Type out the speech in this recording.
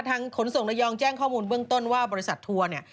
ขนส่งระยองแจ้งข้อมูลเบื้องต้นว่าบริษัททัวร์เนี่ย